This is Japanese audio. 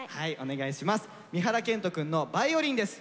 三原健豊くんのバイオリンです。